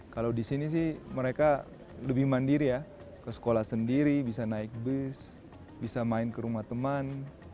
kalau di sini sih mereka lebih mandiri ya ke sekolah sendiri bisa naik bus bisa main ke rumah teman